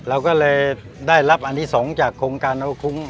เราก็เลยได้รับอนิสงศ์จากโครงการน้องคุ้ง